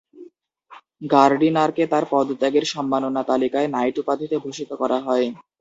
গার্ডিনারকে তার পদত্যাগের সম্মাননা তালিকায় নাইট উপাধিতে ভূষিত করা হয়।